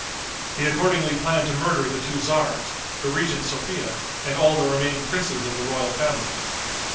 He accordingly planned to murder the two tzars, the regent Sophia and all the remaining princes of the royal family.